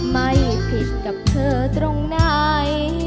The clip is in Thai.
ไม่ผิดกับเธอตรงไหน